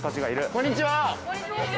こんにちは。